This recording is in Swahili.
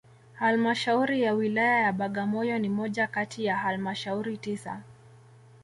Halmashauri ya Wilaya ya Bagamoyo ni moja kati ya halmashuri tisa